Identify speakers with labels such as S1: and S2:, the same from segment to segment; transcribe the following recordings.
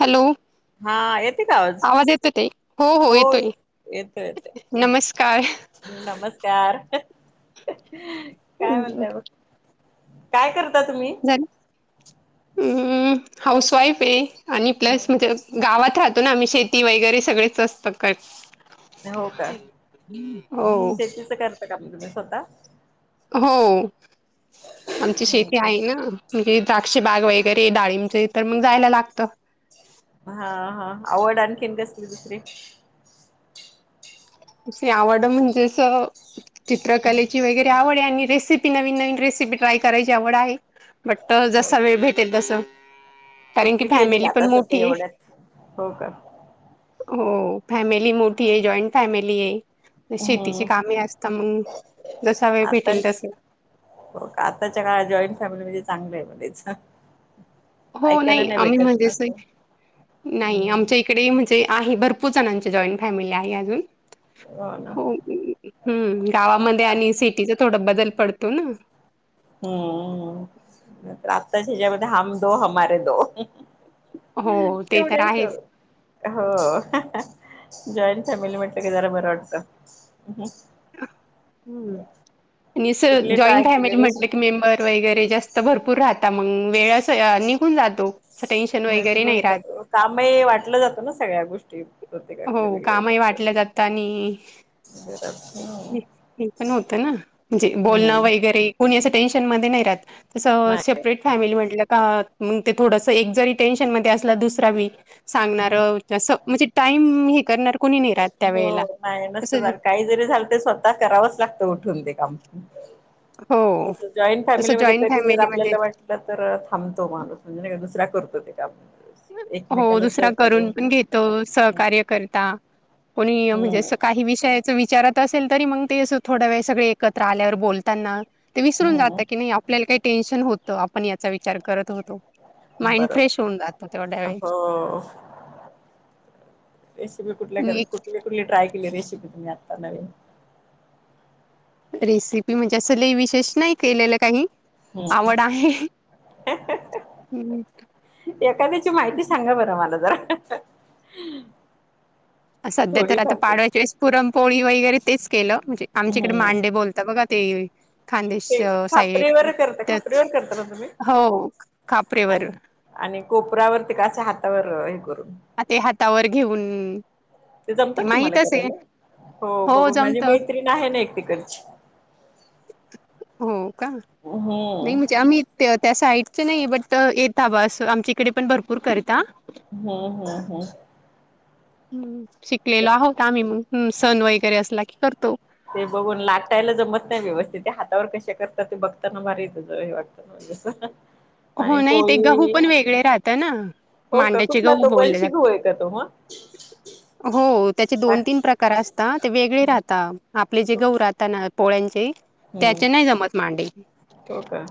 S1: Hello
S2: हा येते का
S1: आवाज येतो ताई, हो हो येतोय.
S2: येतो येतोय.
S1: नमस्कार!
S2: नमस्कार! काय म्हणताय
S1: झालं
S2: मग? काय करता तुम्ही?
S1: हौस वाईफ आहे आणि प्लस म्हणजे गावात राहतो ना आम्ही शेती वगैरे सगळीच असत कट
S2: हो का
S1: हो.
S2: [unintelligible] स्वतः
S1: हो, आमची
S2: हो
S1: शेती
S2: का.
S1: आहे ना. म्हणजे द्राक्षीबाग वगैरे डाळींबच तर मग जायला लागत.
S2: हा हा आवड आणखीन कसली दुसरी?
S1: दुसरी आवड म्हणजे अस चित्रकलेची वगैरे आवड आहे आणि रेसिपी नवीन नवीन रेसिपी ट्राय करायची आवड आहे बट
S2: हो
S1: जसा वेळ भेटेल तस. कारण की
S2: कुठली केली
S1: फॅमिली
S2: का
S1: पण
S2: आता सध्या
S1: मोठी आहे.
S2: एवढ्यात? हो का
S1: हो फॅमिली मोठी आहे, जॉईंट फॅमिली आहे. शेतीची
S2: हम्म
S1: कामे असता मंग जसा वेळ
S2: आता
S1: भेटेल तस.
S2: हो का आताच्या काळात जॉईंट फॅमिली म्हणजे चांगलं आहे, तेच ना.
S1: हो नाही, आम्ही म्हणजे
S2: ना
S1: असे
S2: असं.
S1: नाही
S2: हम्म
S1: आमच्या इकडे म्हणजे आहे भरपूर जणांची जॉईंट फॅमिली आहे अजून. हो हम्म गावामध्ये आणि सिटीचा थोड बदल पडतो ना
S2: हम्म, आत्ताच्या हेच्यामध्ये हम दो, हमारे दो.
S1: हो ते तर
S2: तेवढ्याच
S1: आहेच
S2: हो, जॉईंट फॅमिली म्हटलं की जरा बरं वाटत.
S1: आणि
S2: कुठली
S1: जॉईंट
S2: ट्राय केली
S1: फॅमिली म्हटलं की
S2: रेसिपी
S1: मेंबर वगैरे जास्त भरपूर राहता मग वेळच निघून जातो टेन्शन वगैरे नाही राहत.
S2: कामे वाटलं जातं ना सगळ्या गोष्टी.
S1: हो
S2: प्रत्येकाकडे
S1: कामही वाटल्या जात आणि
S2: ब [unintelligible]
S1: हे पण होत ना म्हणजे बोलणं
S2: हम्म
S1: वगैरे कोणी असं टेन्शनमध्ये नाही राहत तसं सेप्पररेट फॅमिली म्हटलं का मग ते थोडस एक जरी टेन्शन मध्ये असला दुसरा बी सांगणार
S2: नाही
S1: तस टाइम हे करणार कोणी नाही राहत त्या वेळेला
S2: हो नाही
S1: तस.
S2: नसतं झालं काही जरी झालं तरी स्वतः करावंच लागत उठून ते काम.
S1: हो
S2: तस जॉईंट
S1: तसं
S2: फॅमिलीमध्ये
S1: जॉईंट
S2: कधी जर
S1: फॅमिलीमध्ये
S2: आपल्याला वाट तर तर थांबतो माणूस म्हणे का दुसऱ्या करतो ते काम
S1: हो
S2: एकमेकाला
S1: दुसरा
S2: सहकार्य
S1: करून
S2: होतं
S1: पण घेतो सहकार्य करता कोणी म्हणजे
S2: हम्म
S1: असं का काही विषयाच विचारत असेल तरी मग ते असं थोडा वेळ सगळे एकत्र आल्यावर बोलताना ते विसरून
S2: हम्म
S1: जाता की नाही आपल्याला काही टेन्शन होतं. आपण याचा विचार करत होतो. माइंड फ्रेश होऊ जात
S2: ह, रसिपी कुठल्या
S1: आणि
S2: करा
S1: एक
S2: कुठली? कुठली ट्राय केली रेसिपी तुम्ही आत्ता नवीन?
S1: रेसिपी म्हणजे अस लय विशेष नाही केलेलं काही.
S2: हम्
S1: आवड आहे. हम्म.
S2: एखाद्याची माहिती सांगा बरं मला जरा? ह,
S1: सध्या तर आता पाडव्याच्या वेस पुरमपोळी वगैरे तेच केलं म्हणजे आमच्याकडे
S2: हम्म
S1: मांडे बोलता बघा ते वे खानदेश
S2: ते खापरीवर
S1: साईट
S2: करता
S1: तर
S2: खापरीवर करता ना तुम्ही
S1: हो खापरेवर
S2: आणि आणि कोपऱ्यावरती का असे हातावर हे करून
S1: आ ते हातावर घेऊन.
S2: ते जमतात तुम्हाले
S1: माहितच आहे
S2: कराले. हो बघून माझी मैत्रीण आहे ना एक तिकडची.
S1: हो का, नाही
S2: हम्म
S1: म्हणजे आम्ही त्य त्या साईडचे नाही बट येता बस आमच्या इकडे पण भरपूर करता.
S2: हम्म हम् हम्म,
S1: ह, शिकलेलो आहोत आम्ही मग ह सण वगैरे असला की करतो.
S2: ते बघून लाटायला जमत नाही व्यवस्थित त्या हातावर कशा करतात ते बघताना भारी येत ज हे वाटतं. घेतलं.
S1: हो नाही ते गहू पण वेगळे राहता ना,
S2: हो का
S1: मांड्याचे
S2: कुठला
S1: गहू
S2: तो
S1: बोलले जात
S2: बंशिघूये का तो मग.
S1: हो त्याचे दोन
S2: ताक
S1: तीन प्र कार असता ते वेगळे राहता. आपले जे गहू राहता ना पोळ्यांचे
S2: हम्म
S1: त्याचे नाही जमत मांडे.
S2: हो का,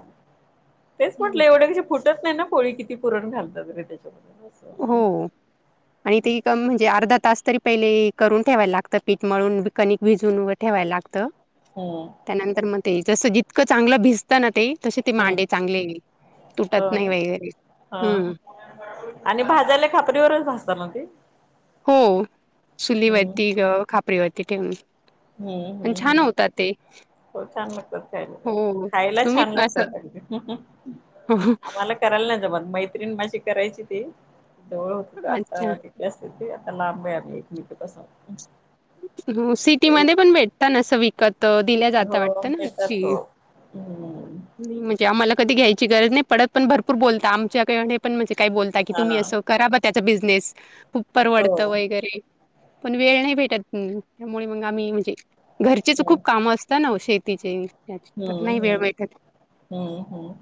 S2: तेच
S1: हं,
S2: म्हटलं एवढ्या कशा फुटत नाही ना पोळी किती पुरण घालतात रे त्याच्यात.
S1: हो. आणि ते कम म्हणजे अर्धा तास तरी पहिले करून ठेवायला लागतं पीठमळून कणिक भिजून व ठेवायला लागतं.
S2: हम्म,
S1: त्यानंतर मग ते जसं जितकं चांगलं भिस त न ते तसे ते
S2: हम्म
S1: मांडे चांगले तुटत
S2: हो
S1: नाही
S2: ना
S1: वगैरे हम्म,
S2: हा आणि भाजायला खापरीवरच भाजता म ते.
S1: हो.
S2: हम्म
S1: चुलीवरती खापरीवरती ठेवून.
S2: हम्म
S1: पण
S2: हम्,
S1: छान होता ते.
S2: हो छान लागतात खायला त्या.
S1: हो
S2: खायला छान लागतात अगदी.
S1: अहं,
S2: आम्हाला करायला नाही जमत. मैत्रिणी पाशी करायची ती जवळ [unintelligible]
S1: अच्छा.
S2: जास्त ती आता लांब आहे आम्ही एकमेकी पासून.
S1: हो सिटी मध्ये पण भेटता न अस विकत दिल्या जाता
S2: हो
S1: वाटत ना
S2: देतात
S1: ती
S2: हो हम्म
S1: नाही म्हणजे आम्हाला कधी घ्यायची गरज नाही पडत पण भरपूर बोलता आमच्याकडे पण म्हणजे काय बोलता की
S2: हा
S1: तुम्ही असं करा बा त्याचा बिझनेस खूप
S2: हो
S1: परवडत वगैरे पण वेळ नाही भेटत. हम्म त्यामुळे मग आम्ही म्हणजे घरचेच खूप काम असत ना ओ शेतीचे.
S2: हम्
S1: तर नाही वेळ
S2: हम्
S1: भेटत.
S2: हम् हम्...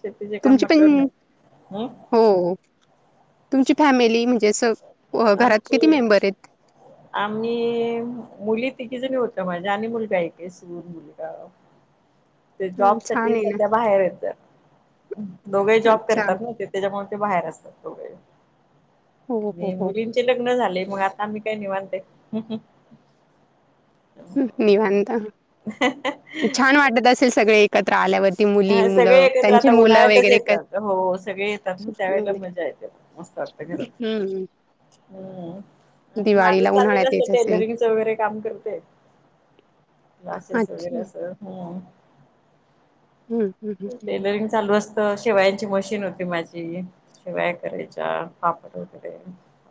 S2: शेतीचे काम म्हंटल्यावर नाही. हम....
S1: हो हो तुमची फॅमिली म्हणजे अस
S2: आमची
S1: [inaudible]
S2: आम्ही मुली तिघीजणी होत्या माझ्या आणि मुलगा एक आहे सून मुलगा. ते
S1: हं,
S2: जॉब
S1: छान
S2: साठी
S1: आहे ना.
S2: सध्या बाहेर आहेत. दोघही जॉब
S1: अच्छा.
S2: करतात ना ते. तेच्यामुळं ते बाहेर असतात दोघेही
S1: हो, हो,
S2: आणि
S1: हो.
S2: मुलींची लग्न झाले मग आता आम्ही काय निवांत आहे.
S1: ह निवांत छान वाटत असेल सगळे एकत्र आल्यावरती मुली,
S2: हा सगळे
S1: मुलं
S2: एकत्र
S1: त्यांची
S2: आता
S1: मुलं
S2: उन्हाळ्यातच
S1: वगैरे कशी
S2: येतात हो सगळे येतात ना त्यावेळेला
S1: हं.
S2: मजा येते. मस्त वाटत घरात.
S1: हं.
S2: हम्म आणि माझं
S1: दिवाळीला
S2: चाललेलं
S1: उन्हाळ्यात
S2: असत
S1: येत असेल.
S2: टेलरिंगच वगैरे काम करते. क्लासेस वगैरे
S1: अच्छा.
S2: असं.. हम्म...
S1: हम्म..
S2: टेलरिंग चालू असतं शेवायाची मशीन होती माझी शेवाया करायच्या पापड वगैरे.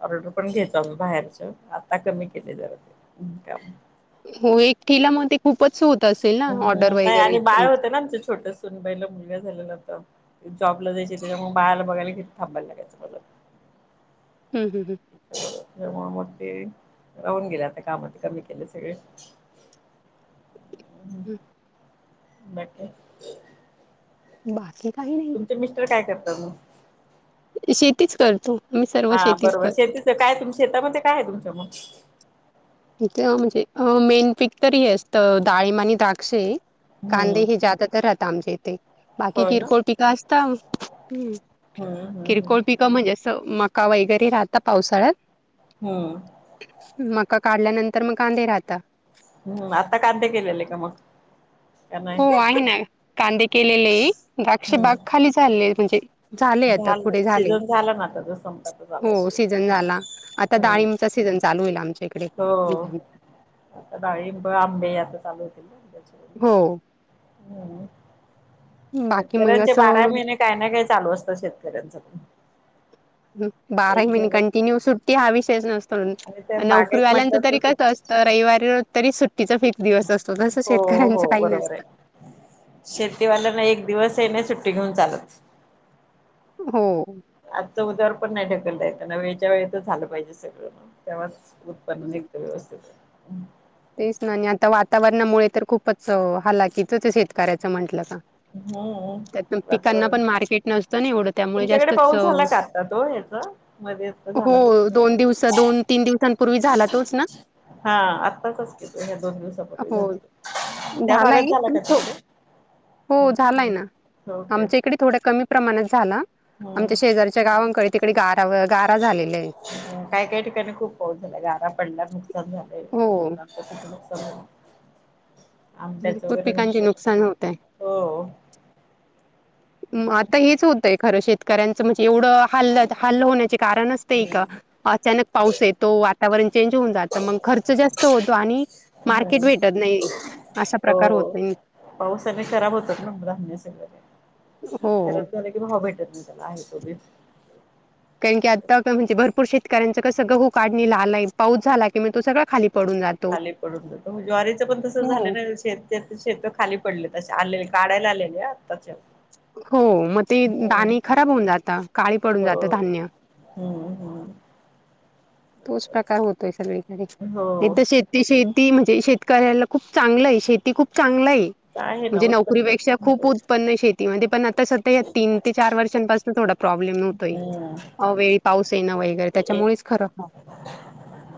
S2: ऑर्डर पण घेतो आम्ही बाहेरच्या आता कमी केले जरा ते त्यामुळ
S1: हो एकटीला मग ते खूपच होत असेल ना ऑर्डर वगैरे एकदम.
S2: [unintelligible] च छोटसं सूनबाईला मुलगा झालेळा होता जॉबला जायची तेच्यामुळं मग बाळाला बघायला घरी थांबायला लागायचं मला.
S1: हम् हम् हम्म....
S2: तेच्यामुळं मग ते राहून गेले आता काम ते कमी केलेत सगळे.
S1: हम्.
S2: बाकी??
S1: बाकी काही नाही.
S2: तुमचे मिस्टर काय करतात मग??
S1: शेतीच करतो. आम्ही सर्व
S2: हा बरोबर
S1: करतो.
S2: शेतीच काय त शेतामध्ये काय आहे तुमच्या मग??
S1: इथं म्हणजे मेन पीक तरी हे असतं डाळिंब आणि द्राक्षे. कांदे
S2: हम्म
S1: हे जादा तर राहत आमच्या इथे बाकी
S2: हो ना
S1: किरकोळ पिक असतं.
S2: हम्म हम्म हम्म
S1: किरकोळ पिकं म्हणजे असं मका वगैरे राहता पावसाळ्यात.
S2: हम्म.
S1: मका काढल्यानंतर मग कांदे राहता.
S2: हम्म आता कांदे केलेले आहे का मग?? का नाही?
S1: हो आहे ना कांदे केलेले आहे द्राक्ष बाग
S2: हम्म
S1: खाली झाले म्हणजे झाले आता
S2: झाल
S1: कुडे झाले
S2: सीझन झाला ना आता तो संपला तर झाला
S1: हो सीझन झाला. आता
S2: हम्म
S1: डाळिंब चा सीझन चालू होईल आमच्या इकडे.
S2: हो आता डाळींब आंबे आता चालू होतील ना.
S1: हो. बाकी मग
S2: शेतकऱ्यांचे बारा
S1: असं
S2: महिने काही ना काही चालू असतं शेतकऱ्यांच पण
S1: बाराही
S2: एक
S1: महिने
S2: झालं
S1: कंटिन्यू सुट्टी हा विषयच नसतो
S2: आणि ते बागेत
S1: नोकरीवाल्यांच
S2: म्हटलं तर
S1: तरी
S2: सु
S1: कसत तर रविवारी रज तरी सुट्टीचा फेक दिवस असतो तस शेतकऱ्यांच काही नसत
S2: शेतीवाल्याना एक दिवस ये नाही सुट्टी घेऊन चालत
S1: हो
S2: आजच उद्यावर पण नाही ठकलता त्यांना वेळच्या वेळ तर झाल पाहिजे सगळ तेव्हा पण एक तर व्यवस्थित
S1: तेच ना आणि आता वातावरणामुळे तर खूपच हलाकीचच शेतकऱ्याच म्हंटल का
S2: हम्म
S1: त्यात पिकांना
S2: वातावरण
S1: पण मार्केट नसतं ना एवढ त्यामुळे
S2: तुमच्याकडे
S1: जास्तच
S2: पाऊस झाला का आता तो ह्याचा? मध्ये आता
S1: हो
S2: झाला तो
S1: दोन दिव दोन तीन दिवस पूर्वी झाला तोच ना
S2: हा आत्ताच घेतो ह्या दोन दिवस
S1: हो
S2: त्या भागात
S1: झालाय
S2: झाला
S1: पण
S2: का ते
S1: तो
S2: कुठे
S1: हो झालाय ना आमच्या इकडे थोड्या कमी प्रमाणात झाला
S2: हम्म
S1: आमच्या शेजारच्या गावांकडे तिकडे गारा गारा झालेला आहे
S2: काही काही ठिकाणी खूप पाऊस झाला गारा पडल्या नुकसान झालंय लो
S1: हो
S2: त्या
S1: भरपूर पिकांचे नुकसान होत आहे
S2: हो
S1: आता हेच होतंय खर शेतकऱ्यांचं म्हणजे एवढ हल्ल हल्ल होण्याचे कारणच का अचानक पाऊस येतो वातावरण चेंज होऊन जात मग खर्च जास्त होतो आणि मार्केट भेटत नाही असा
S2: हो
S1: प्रकार
S2: हो
S1: होतोय
S2: पावसाने खराब होतात ना धान्य सगरे
S1: हो
S2: खरात झालं की भेटर म त्याला आहे तो बी
S1: कारण की आता का म्हणजे भरपूर शेतकऱ्यांचा कसं गं होू काढणीला आलाय पाऊस झाला की तो सगळं खाली पडून जात
S2: खाली पडून जो ज्वारीच पण तस झाल नाही शेत ते शेत खाली पडले त आलेले काढायला आलेले आत्ता
S1: हो मग ते दणी खराब होऊन जात काळी पडून जात
S2: हो
S1: धान्य
S2: हम्म हम्म
S1: तोच प्रकार होतोय सगळीकडे
S2: हो
S1: हित शेत ते शेती म्हणजे शेतकऱ्याला खूप चांगल आहे शेती खूप चांगल आहे
S2: आहे ना
S1: म्हणजे
S2: उत्पन्न
S1: नोकरीपेक्षा खूप
S2: हो.
S1: उत्पन्न शेतीमध्ये पण आता सध्या या तीन ते चार वर्षांपासून थोड प्रॉब्लेम होतोय
S2: हम्म
S1: अवेळी पाऊस येण वगैरे त्याच्यामुळेच खराब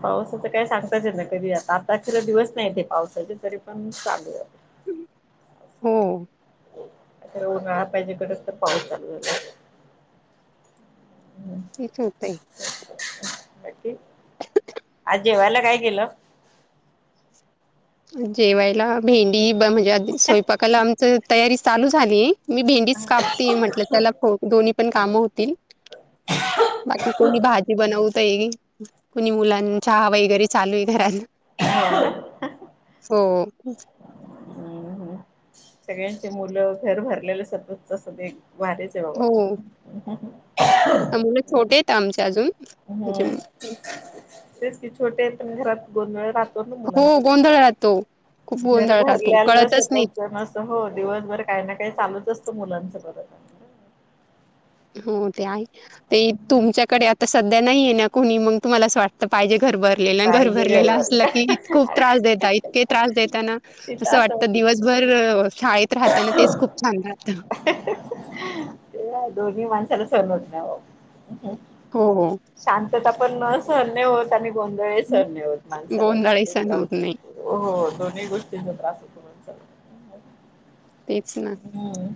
S2: पावसाच काय सांगताच येत नाही कधी आता आता खर दिवस नाही तेे पावसाचे तरी पण चालू
S1: हो‌
S2: खर उन्हाळा पाहिजे कडक तर पाऊस चालू झालाय
S1: तेच होत आहे
S2: आज जेवायला काय केल
S1: जेवायला भेंडी ब-म्हणजे आधी स्वयंपाकाला आमच तयारी चालू झाली मी भेंडीच कापते म्हटलंल त्याला दोन्ही पण काम होतील बाकी कोणी भाजी बनवतय कोणी मुलांच्या वगैरे चालू आहे घराला
S2: ह
S1: हो
S2: हम्म. सगळ्यांचे मुल घर भरलेलं सतत असते भारीच आहे बाबा
S1: हो.
S2: [inaudible]
S1: मुलं छोटे आहेते आमचे अजून. म्हणजे
S2: हम्म तेच की छोटे आहेत घरात गोंधळ राह तो ना
S1: हो
S2: मुलांचा
S1: गोंधळ राहतो. खूप
S2: [inaudible] घर
S1: गोंधळ राहतो.
S2: भरलेल्या
S1: कळतच नाही.
S2: सतत जण अस तं हो दिवसभर काही ना काही चालूच असतो मुलांचं. [unintelligible]
S1: हो ते आहे ते तुमच्याकडे आता सध्या नाहीये ना कोणी मंग तुम्हाला असं वाट तर पाहिजे घर भरलेलं अन घर
S2: पाहिजे
S1: भरलेलं
S2: भरलं
S1: असलं की खूप त्रास देता इतके त्रास देता ना
S2: तिथं
S1: तसं
S2: असं
S1: वाटतं दिवसभर शाळेत राहता ना, तेच खूप छान राहतं.
S2: ते आहे दोन्ही माणसाला सहन होत नाही हो.
S1: हो हो.
S2: शांतता पण सहन नाही होत आणि गोंधळ ही सहन नाही होत माणसाला.
S1: गोंधळी सण होत नाही
S2: [unintelligible] ओ हो दोन्ही गोष्टींचा त्रास होतो माणसाला.
S1: तेच ना.
S2: हम्म.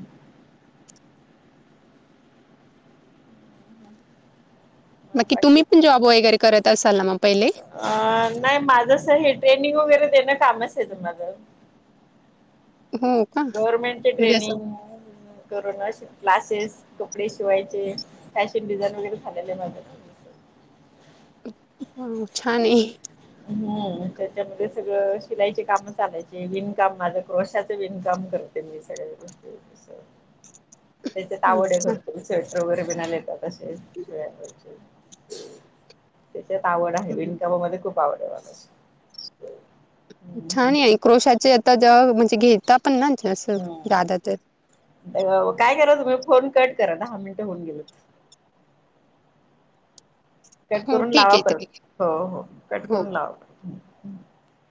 S1: मग की
S2: बाकी
S1: तुम्ही पण जॉब वगैरे करत असाल ना मग पहिले?
S2: आं नाही माझस हे ट्रेनिंग वगैरे देणं कामच आहे ते माझं.
S1: हो का
S2: गव्हर्मेंटचे
S1: म्हणजे असं
S2: ट्रेनिंग. [unintelligible] करून अशी क्लासेस कपडे शिवायचे, फॅशन डिझाईनिंग वगैरे झालेलं आहे माझं.
S1: [unintelligible] छान आहे.
S2: हम्म त्याच्यामध्ये सगळं शिलाईची कामं चालायचे, विणकाम माझं क्रोशाचं विणकाम कर ते मी सगळं
S1: [unintelligible]
S2: [inaudible] त्याच्यात आवडे आहे
S1: अच्छा
S2: भरपूर, स्वेटर वगैरे बिनाले जातात अशे. [unintelligible] त्याच्यात आवड आहे, विणकामामध्ये खूप आवड आहे. [unintelligible] हम्म
S1: छान आहे क्रोशाचे आता जेव्हा म्हणजे घेता पण ना छा असं ज्यादातर.
S2: नाही बाबा काय करायचा बई फोन कट करा, दहा मिनिटं होऊन गेलोत. कट
S1: हो
S2: करून
S1: ठीक
S2: लावा
S1: आहे
S2: परत
S1: ठीक आहे
S2: हो हो कट
S1: हो.
S2: करून लावा परत.